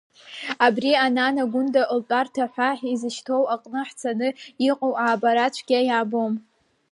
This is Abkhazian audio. Абри Анана-Гәында Лтәарҭа ҳәа изышьҭоу аҟны ҳцаны иҟоу аабар цәгьа иаабом…